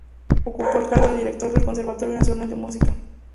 Ocupó el cargo de director del Conservatorio Nacional de Música.